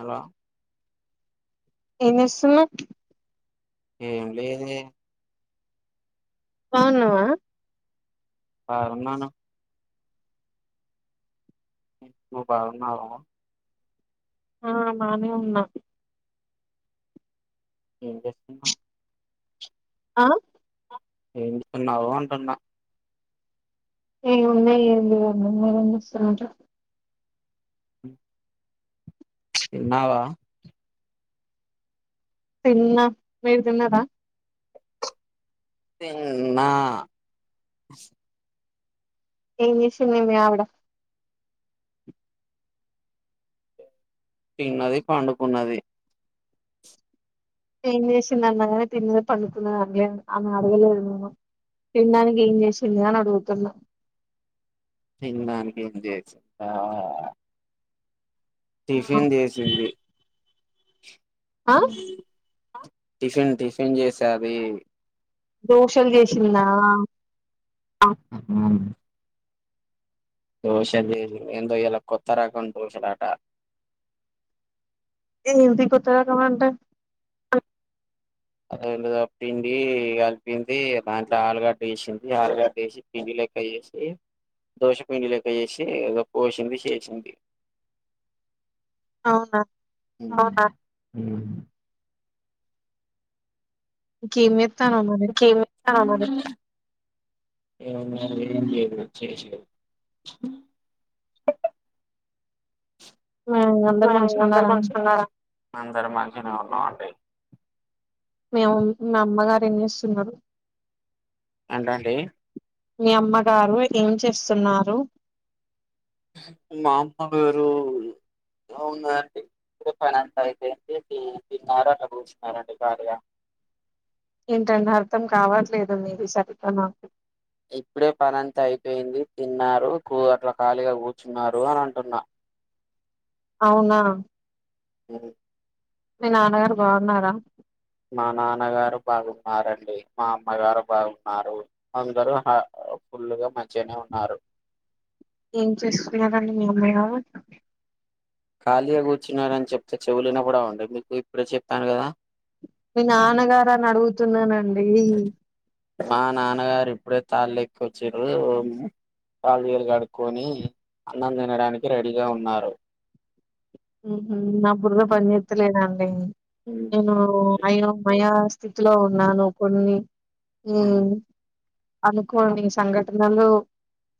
Hello ఎంజేస్తున్నావ్ ఏం లేదే బాగున్నావా బావున్నాను నువ్ బావున్నావా ఆ బానే ఉన్నా ఎం చేస్తూ ఆ ఏంజేతున్నావు అంటున్నా ఏం ఉంది ఏం లేదండి మీరేం చేస్తున్నారు హ్మ్ తిన్నావా తిన్న మీరు తిన్నారా నేను తిన్నా ఏం జేసింది మీ ఆవిడ తిన్నది పండుకున్నది ఎం జెస్తున్నదన్న గదా తిన్నది పడుకున్నది అన్లేను అని అడగలేదు నేను తినడానికి ఏం జేసింది అని అడుగుతున్నా తినడానికి ఏం జేసిందా టిఫిన్ జేసింది ఆ టిఫిన్ టిఫిన్ చేసాది దోషలు జేసిందా హ్మ్ దోష లేదు ఎందో ఇయలా కొత్త రకం దోశలటా ఏంది కొత్త రకం అంటే ఏదో పిండి కలిపింది దాంట్లో ఆలుగడ్డ వేశింది ఆలుగడ్డ వేశి పిండిలకి చేసి దోశపిండి లోకి వేసి ఏదో పోసింది చేసింది అవునా అవునా ఇంకేం జేత్తన్నావ్ మరి ఎం దేత్తన్నావ్ మరి ఏముందండి ఏంలేదు జేసేది వా వా అందరు మంచిగా ఉన్నర అందరూ మంచిగా ఉన్నారండి మేమ్ మీ అమ్మగారు ఎం జేస్తున్నారు ఏంటండి మీ అమ్మగారు ఏం చేస్తున్నారు మా అమ్మగారు అవునా అండి ఇప్పుడే పనంతా అయిపోయింది తిన్నారు అక్కడ కూర్చున్నారండి ఖాళీగా ఏంటండి అర్థం కావట్లేదు మీది సరిగ్గా నాకు ఇప్పుడే పనంతా అయిపోయింది తిన్నారు కూ అట్లా ఖాళీగా కూర్చున్నారు అని అంటున్న అవునా మీ నాన్నగారు బావున్నారా మా నాన్నగారు బాగున్నారండి మా అమ్మగారు బాగున్నారు అందరు ఫుల్గా మంచిగానే ఉన్నారు ఏం చేస్తూన్నారండి మీ అమ్మగారు ఖాళీగా కూర్చున్నారు అని చెప్తే చెవులు వినపడవ అండి మీకు ఇప్పుడే చెప్పాను కదా మీ నాన్నగారని అడుగుతున్నానండి మా నాన్నగారు ఇప్పుడే తాళెక్కోచ్చిరు కాలు చేలు కడుకొని అన్నం తినడానికి రెడీగా ఉన్నారు మ్హ నా బుర్ర పనిజెత్తలెదండి ఉ అయో మయో స్థితిలో ఉన్నాను కొన్ని అనుకోని సంఘటనలు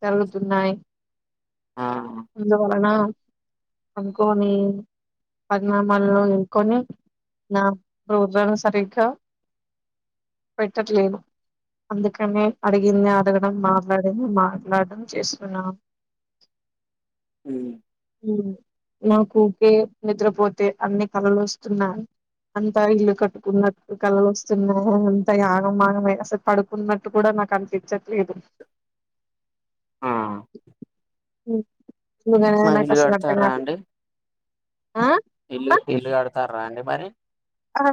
జరుగుతున్నాయి ఆ అందువలన అనుకోని పరిణామాల్లో వెల్కొని నా [unintelligible] సరిగ్గా పెట్టట్లేదు అందుకని అడిగిందే అడగడం మాట్లాడిందే మాట్లాడడం చేస్తున్నాను ఉ ఉ. నాకూ ఊకే నిద్రపోతే అన్ని కలలు వస్తున్నాయి. అంతా ఇల్లు కట్టుకున్నట్టు కలలు వస్తున్నాయి అంత ఆగంయగమ అసలు పడుకున్నట్టు కూడా నాకు అనిపించట్లేదు ఆ నిజంగానే మరి ఇల్లు నాకసలు కడతారా అట్టకాదు ఆ ఇ ఇల్లు కడతారా అండి మరి ఆ!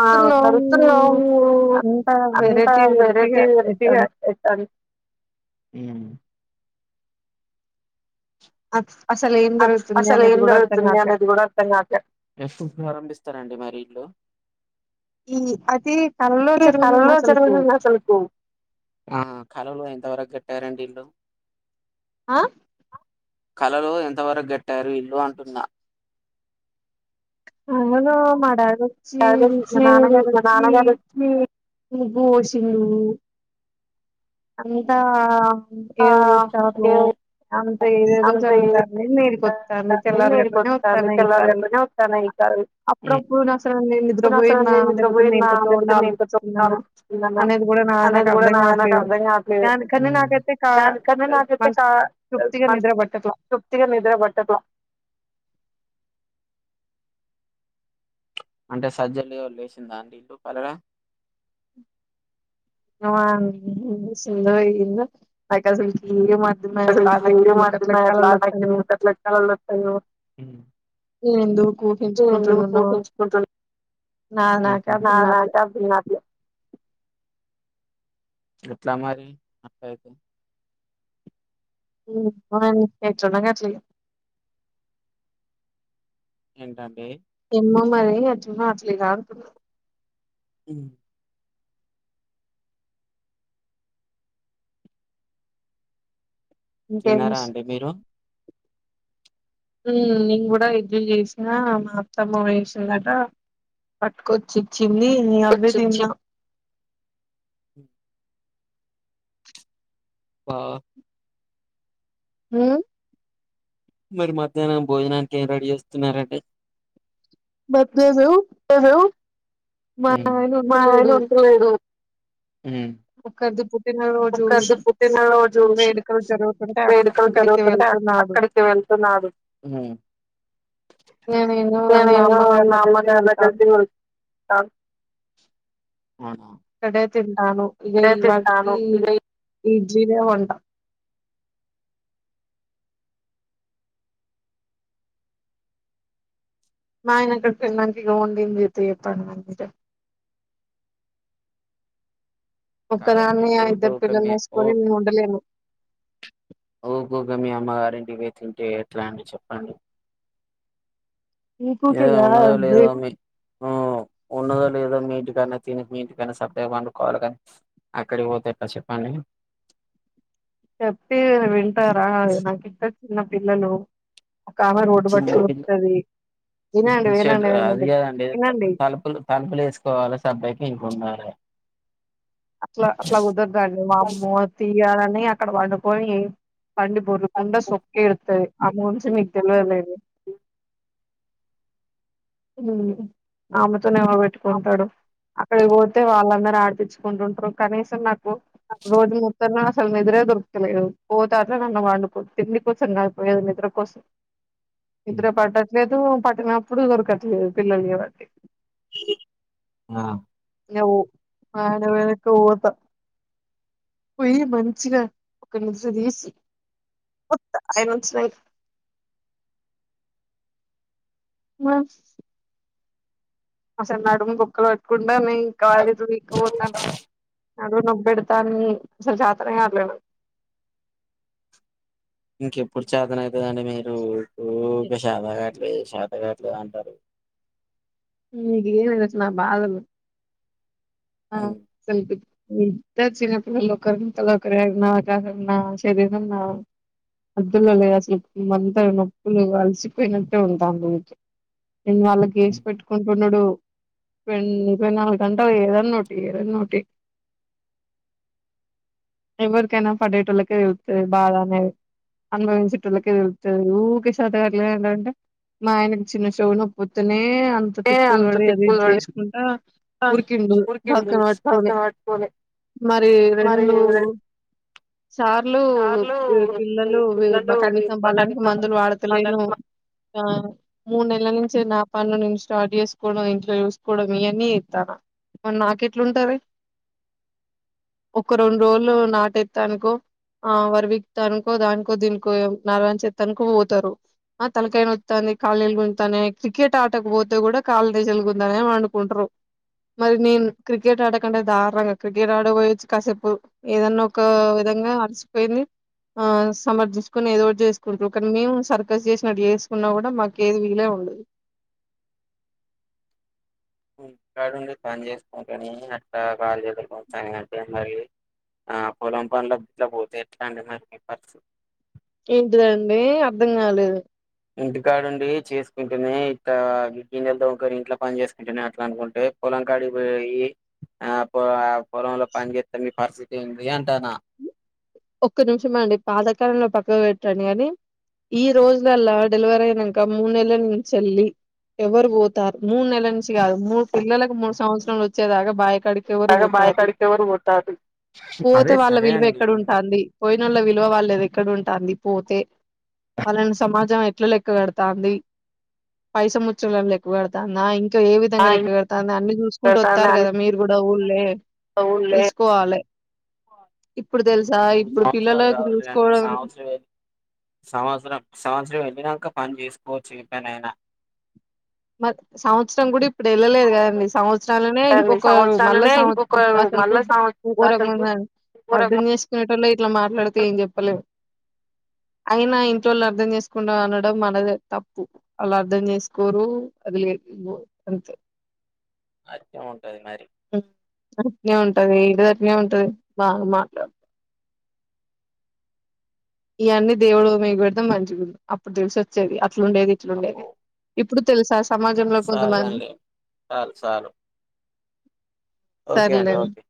ఆ కడుతున్నాం అంతా అంతా వెరైటీ వెరైటీగా వెరైటీ వెరైటీగా ఎట్టన్ ఉ అస్ అసలేం అ జరుగుతుంది అసలు అనేది ఏం గూడా అర్థం జరుగుతుంది కాట్లే. అనేది కూడా అర్థం కాట్లే ఎప్పుడు ప్రారంభిస్తారండి మరి ఇల్లు ఈ అదే ఆ కలలో ఎంత వరకు కట్టారండి ఇల్లు ఆ కలలొ ఎంతవరకు గట్టారు ఇల్లు అంటున్నా కలలో మా డాడొచ్చి మా వచ్చి మా నాన్నగారోచ్చి నాన్నగారు వచ్చి ముగ్గువొశిండు అంతా ఆ ఏవో జెత్తర్రు అంటే అంత ఏదేదో అంత జరుగుతాంది మేలుకొత్తంది తెల్లారి గట్లనే మేలుకొస్తాంది వత్తన్నయి ఈ తెల్లారి కలలు గట్లనే వస్తాన్నాయి ఈ సారి అప్పుడప్పుడు నా అసలు నేను ఇప్పుడు అసలు నిద్రపోయిన్నా నేను లేకపోతే నిద్రపోయినా మేలుకతో ఉండి లేకపోతే మేలుకువతో ఆలోచిస్తున్ననా ఆలోచిస్తున్నానా అనేది గూడ నాది నాకు అనేది కూడా అర్ధం నా నాకు కాట్లేదు అర్థం కావట్లేదు దానికన్న నాకైతే కా దానికన్నా నాకైతే మనస్ కా తృప్తిగా మంచి నిద్ర బట్టట్ల తృప్తిగా నిద్ర బట్టట్ల అంటే సజ్జ లెవల్ లేసిందా అండి ఇళ్లు కలల [unintelligible] సుందరయ్యిందా మా కాసిన్స్ ఇయ్యే మాటల్ అసలు గోరం అట్లా నాకెందుకు అట్ల కలలొత్తయో నేను ఎందుకు నువ్ ఎందుకు ఊహించుకుంటున్నానో కుటించుకుంట నా నాకే అర్థం నాది కావట్లే నాకే అర్ధం గాట్లే ఎట్ల మరి అట్లయితే ఉమ్ ఎట్లనో గట్ల ఇగ ఏంటండి ఎమ్మో మరి ఎట్లనో అట్ల ఇగా అంటున్న ఉమ్ ఇంకేమి తిన్నరా అండి మీరు ఉమ్ నేన్ గుడా ఇడ్లిల్ జేసినా మా అత్తమ్మ గుడ చేసిందట కొచ్చి ఇచ్చింది అవ్వే చిచ్చి తిన్నా ఆ ఉమ్ మరి మధ్యాహ్నం భోజనానికి ఏం రెడీ జేస్తున్నరండి మధ్యానం ఉమ్ ఉంటలేడు ఉమ్ ఒకరిది పుట్టినరోజు ఒకర్ది పుట్టినరోజు వేడుకలు జరుగుతుంటే అక్- వేడుకలు అక్కడికి జరుగుతుంటే వెళ్తున్నాడు అక్కడికి పుడు వెళ్తున్నాడు ఇగ నేను మా నేనేదో అమ్మగారి మా దగ్గరికి అమ్మోల్ల వెళ్తాను దగ్గరికి [unintelligible] అవునా ఇక్కడే తింటాను ఇగ ఈ వాటికి ఇదే ఇడ్లీనే వంట మా ఆయన ఒక్కడికి మంచిగ వొడింది [unintelligible] అంటే కాదండి ఒక్కదాన్నే ఆ ఊరికే ఇద్దరు ఊకే మీ ఊ పిల్లల్నేసుకొని నేను ఉండలేను ఊకూకే మీ అమ్మగారంటికి పోయి తింటే ఎట్లా అండి చెప్పండి నీకూకే ఏదో ఉన్నదో కాదండి లేదో మీ ఉమ్ ఉన్నదో లేదో మీ ఇంటికాన్నే తిని మీ ఇంటికాన్నే సప్పుడుదాకా పండుకోవాల గనీ ఆక్కడకీ పోతె ఎట్ల చెప్పండి చెప్తే వింటారా నాకిద్దరు చిన్న పిల్లలు ఒకామె రోడ్డు బట్టుకొనుర్కుతది ఉమ్ షట్ అది గాదండి వినండి తలుపులు తలుపులు ఏసుకోవాలె సప్పుడుదేక ఇంట్లో ఉండాలె అట్ల అట్ల కుదరదండి వామ్మో తీయాలని అక్కడ పండుకొని పండి బొర్లుకుంటా సొక్కి ఎడుత్తది ఆమె గురించి మీకు తెల్వదు లేండి ఆమెతోని ఎవడు బెట్టుకుంటడు అక్కడికి పోతే వాళ్ళందరు ఆడిపిచ్చు కుంటుంటరు కనీసం నాకు రోజు తన్న అసలు నిద్రే దొరకుతలేదు పోతే అట్ల నన్న పండుకుం తిండి కోసం కాదు పోయేది నిద్ర కోసం నిద్ర పట్టట్లేదు పట్టినప్పుడు దొరకట్లేదు పిల్లల జేయబట్టి ఆ ఊ ఆడవేనక ఎక్కువ పోతాం పోయి మంచిగా ఒక నిద్ర తీసి ఒత్త అయన వచ్చినాక మ అసలు నడుము బొక్కలు బట్టుకుండా నే కల్ జెతులు వీక్క పోతన్నాయ్ నడుం నొప్పీడతాంది అసలు శాతన గట్లేదు ఇంకెప్పుడు చేతన అయితదండి మీరు ఇ శతా కాట్లేదు శతకాట్లేదు అంటారు నీకేం తెలుసు నా బాధలు ఆ సెల్ఫీ ఈ తె చిప్పు లోక లోకనా గన్నా [unintelligible] అద్దులలే అసలు అంతా నొప్పులు అలసిపోయినట్టే ఉంటది ఊకె నేను వాళ్ళ ఏసి పెట్టుకుంటుండు ఇరవై నాలుగు గంటలు ఏద ఏదన్నోటి ఏదన్నోటి ఎవరికైనా పడేటోల్కె తెలుత్తది బాధనేది అనుభవించేతోళ్ళకే తెలుత్తది ఊకె శాతగట్లరంటారు అంటే మా ఆయనకు చిన్న చెవు నొప్పుతనే అ అ ఏ తిప్పులు అంత పడి అది తిక్కులు ఇది పడి చేసుకుంటా ఆ ఉరికిండు బక్క ఉరికింది శ్వాస పట్టుకొని పట్టుకొని మరి రెండు సార్లు సార్లు పిల్లలు ఈ పిల్లలు కనీసం బలానికి కనీసం మందులు వాడతలేరు వాళ్ళకి మ ఆ మూడు నెలల నుంచి నా పన్ను నేను స్టార్ట్ చేసుకోవడం ఇంట్లో చూసుకోవడం ఇవన్నీ చెత్తనా నాకు ఎట్లుంటది ఒక రెండు రోజులు నాట్ ఎత్తా అనుకో ఆ వరివిక్తనుకో దానికో దీనికో నరవణ చే తనుకో పోతారు ఆ తలకైైన నోత్తంది కాళ్ళగుంజుత్తానాయ్ క్రికెట్ ఆటకపోతే కూడా కాళ్ళ నిజలుగుందానే పండుకుంటరు మరి నేను క్రికెట్ ఆడకంటే దారుణంగా క్రికెట్ ఆడబోయొచ్చు కాసేపు ఏదన్నా ఒక విధంగా అలసిపోయింది ఆ సమర్థించుకొని ఏదో ఒకటి అ అ అ అ చేసుకుంటురు కానీ మేము సర్కస్ చేసినటు చేసుకున్నా గూడా మాకు ఏది వీలే ఉండదు [unintelligible] కాలుష్యత్తులో గుంజుకపోతుందని ఆ పొలం పనుల ఇట్లాకు పోతే ఎట్లా అండి మరి మీ పరిస్థితి ఏంటిదండి అర్థం కాలేదు ఇంటికాడుండి చేసుకుంటునే ఇట్ట గి గిన్నెలు తోముకోని ఇంట్లో పని చేసుకుంటునే అట్లాని అనుకుంటే పొలం కడిగిపోయి ఆ పొ ఆ పొలంలో పని జేత్తే మీ పరిస్థితి ఏంది అంటానా ఒక్క నిమిషమాండి పాతకాలంని పక్కని పెట్టండి గాని ఈ రోజులల్లా డెలివర్ అయినాక మూడునెలల నుంచేళ్లి ఎవరు పోతారు మూడు నెల నుంచి గాదు మూడు పిల్లలకు మూడు సంవత్సరాలు వచ్చేదాకా బాయ కడి ఎవరు బావి పోతారు కాడికి ఎవరు పోతారు పోతే అదే వాళ్ళ సరే విలువ అండి ఎక్కడ ఉంది పోయిన వాళ్ళది విలువ వాళ్ళేది ఎక్కడ ఉంటది పోతే వాళ్ళని సమాజం ఎట్లా లెక్క కడతాంది పైస ముచ్చ లేక్కువ కడతాంద ఇంకా ఏ ఆ విధంగా లేక్క ఇంటికి కడతాంది అన్ని చూస్త కుంటూ పెడతాంది వస్తారు అన్న కదా మీరు కూడా ఊళ్ళే అవునులే తెలుసుకోవాలే ఇప్పుడు తెలుసా మూడు ఇప్పుడు సంవత్సరాలు పిల్లలకి కాదులేండి చూసుకోవడం సంవత్సరం సంవత్సరం సంవత్సరం వెళ్ళినాక పని చేసుకోవచ్చు ఎక్కడనైనా మక్ సంవత్సరం గుడిప్ ఇప్పుడు వెళ్ళలేదు కదండి సంవత్సరాలనే లేదండి ఇంకొక మళ్ళా సంవత్సరాలనే సంవత్స ఇంకొక ఉపవాసలకు. మళ్ళా సంవత్సరం ఉంకోరకంగా అసలుకు ఉన్నారు అర్ధం ఘోరంగా చేసుకునేటోల్లె ఇట్లా మాట్లాడితే ఏం చెప్పలేము అయినా ఇంట్లో వాళ్ళు అర్థం చేసుకోన అనడం మనదే తప్పు అళ్ళు అర్ధం చేసుకోరు వదిలి ఎక్కడికి పోరు అంతే అట్నే ఉంటది మరి అట్నే ఉంటది ఇదట్నే ఉంటది బాగా మాట్లాడు ఇవన్నీ దేవుడు మీకు పెడుతే మంచిగా అప్పుడు తెలిసి వచ్చేది అట్లు ఉండేది ఇట్లు ఉండేది అబ్బో ఇప్పు ఇప్పుడు తెలుసా సమాజంలో సాలు కొంతమంది కానీలే చాలు చాలు ఓకే అండి సర్లేండి ఓకే